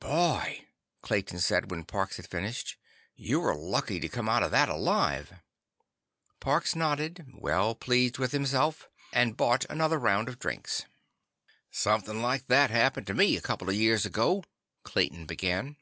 "Boy," Clayton said when Parks had finished, "you were lucky to come out of that alive!" Parks nodded, well pleased with himself, and bought another round of drinks. "Something like that happened to me a couple of years ago," Clayton began.